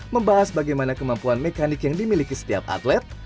membahas bagaimana kemampuan mekanik yang dimiliki setiap atlet